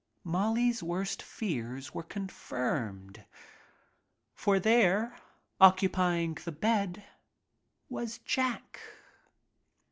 Molly's worst fears were confirmed. For there, occupying the bed, was — Jack.